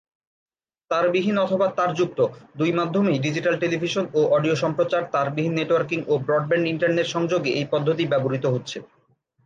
তারবিহীন অথবা তারযুক্ত দুই মাধ্যমেই ডিজিটাল টেলিভিশন ও অডিও সম্প্রচার, তারবিহীন নেটওয়ার্কিং ও ব্রডব্যান্ড ইন্টারনেট সংযোগে এই পদ্ধতি ব্যবহৃত হচ্ছে।